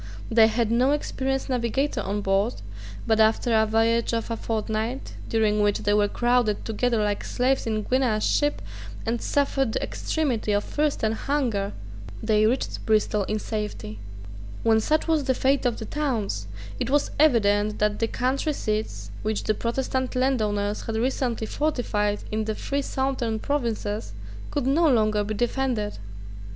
They had no experienced navigator on board: but after a voyage of a fortnight, during which they were crowded together like slaves in a Guinea ship, and suffered the extremity of thirst and hunger, they reached Bristol in safety, When such was the fate of the towns, it was evident that the country seats which the Protestant landowners had recently fortified in the three southern provinces could no longer be defended.